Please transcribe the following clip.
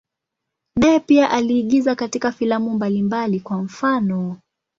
Naye pia aliigiza katika filamu mbalimbali, kwa mfano.